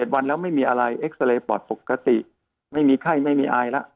๗วันแล้วไม่มีอะไรอีคเซเลยปลอดภกษ์ปกติไม่มีไข้ไม่มีอายละ